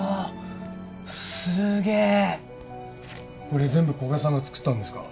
これ全部古賀さんが作ったんですか？